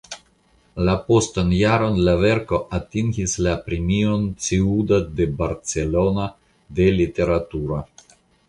La postan jaron la verko atingis la Premion "Ciudad de Barcelona de literatura".